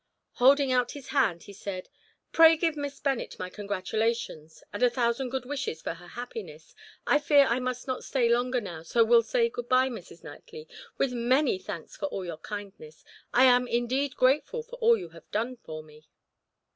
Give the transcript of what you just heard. Holding out his hand, he said: "Pray give Miss Bennet my congratulations, and a thousand good wishes for her happiness. I fear I must not stay longer now, so will say good bye, Mrs. Knightley, with many thanks for all your kindness I am indeed grateful for all you have done for me."